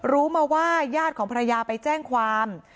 รู้มาว่าญาติของภรรยาไปแจ้งความ